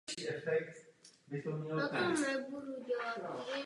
Tato interinstitucionální dohoda byla schválena v květnu.